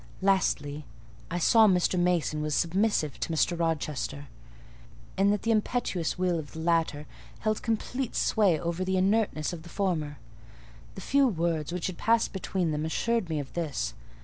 Lastly, I saw Mr. Mason was submissive to Mr. Rochester; that the impetuous will of the latter held complete sway over the inertness of the former: the few words which had passed between them assured me of this.